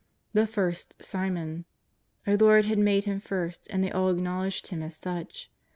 " The first Simon.'^ Our Lord had made him first, and they all acknowledged him as such.